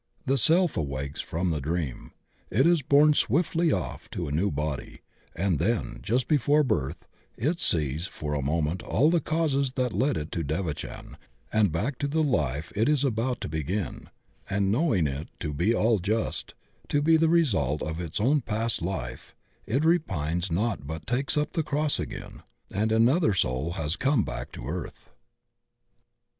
The Self wakes from the dream, it is borne swiftly off to a new body, and then, just before birth, it sees for a moment all the causes that led it to devachan and back to the life it is about to begin, and knowing it to be all just, to be the result of its own past life, it repines not but takes up the cross again — ^and another soul has come back to earth.